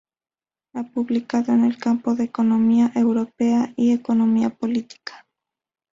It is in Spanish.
Ha publicado en el campo de economía europea y economía política.